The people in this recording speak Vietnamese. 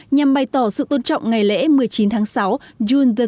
nhằm bày tỏ sự tôn trọng ngày lễ một mươi chín tháng sáu june một mươi ba